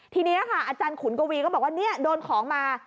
ทีนี้ค่ะอาจารย์ขุนกวีก็บอกว่าเนี่ยโดนของมา